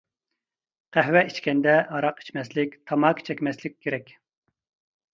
قەھۋە ئىچكەندە ھاراق ئىچمەسلىك، تاماكا چەكمەسلىك كېرەك.